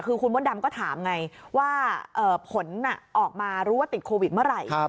คือคุณมดดำก็ถามไงว่าผลออกมารู้ว่าติดโควิดเมื่อไหร่